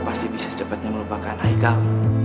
pasti bisa secepatnya melupakan ikal